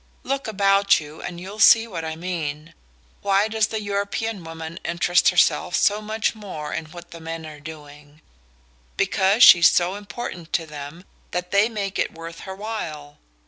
Look about you and you'll see what I mean. Why does the European woman interest herself so much more in what the men are doing? Because she's so important to them that they make it worth her while!